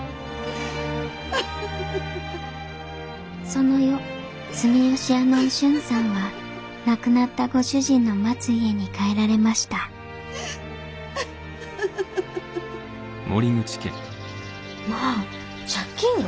その夜住吉屋のお俊さんは亡くなったご主人の待つ家に帰られましたまあ借金が？